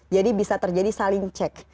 jadi bisa terjadi saling cek